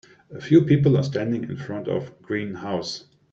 A few people are standing in front of green house.